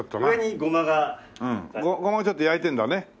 ゴマちょっと焼いてんだね。